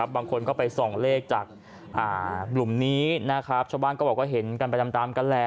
บางคนก็ไปส่องเลขจากหลุมนี้ชาวบ้านก็บอกเห็นกันไปนำตามกันแหละ